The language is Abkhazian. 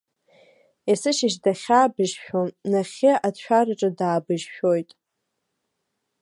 Есышьыжь дахьаабыжьшәо нахьхьи аҭшәараҿы даабыжьшәоит.